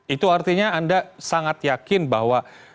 itu artinya anda sangat yakin bahwa